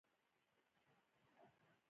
دقت د اشتباه مخه نیسي